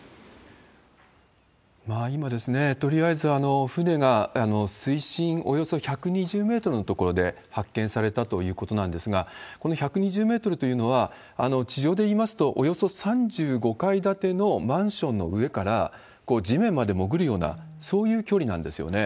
今、とりあえず、船が水深およそ１２０メートルの所で発見されたということなんですが、この１２０メートルというのは、地上でいいますと、およそ３５階建てのマンションの上から地面まで潜るような、そういう距離なんですよね。